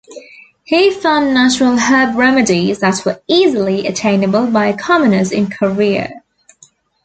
He found natural herb remedies that were easily attainable by commoners in Korea.